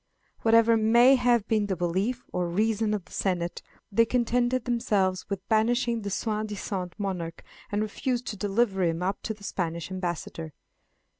Whatever may have been the belief or reason of the senate, they contented themselves with banishing the soi disant monarch, and refused to deliver him up to the Spanish ambassador.